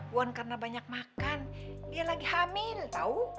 wan karena banyak makan dia lagi hamil tau